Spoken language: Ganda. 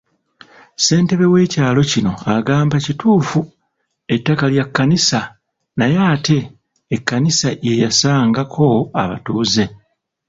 Ssentebe w'ekyalo kino agamba kituufu ettaka lya Kkanisa naye ate Ekkanisa ye yasangako abatuuze.